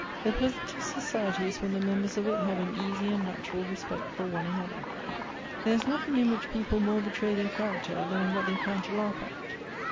" The pleasantest society is when the members of it have an easy and natural respect for one another." " There is nothing in which people more betray their character than in what they find to laugh at."